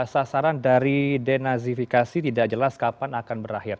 sasaran dari denazifikasi tidak jelas kapan akan berakhir